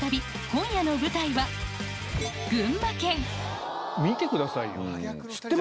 今夜の舞台は見てくださいよ。